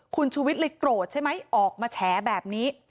คุณชูวิทย์เลยโกรธใช่ไหมออกมาแฉแบบนี้